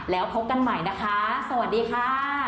แล้วพบกันใหม่นะคะสวัสดีค่ะ